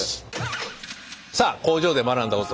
さあ工場で学んだことをね